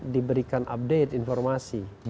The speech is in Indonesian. diberikan update informasi